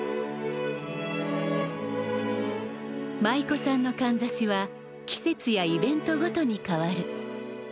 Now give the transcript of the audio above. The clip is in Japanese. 舞妓さんのかんざしは季節やイベントごとに変わる。